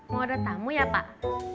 mau ada tamu ya pak